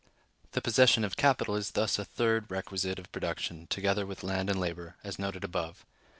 The possession of capital is thus a third requisite of production, together with land and labor, as noted above.